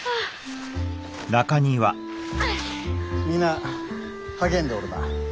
皆励んでおるな。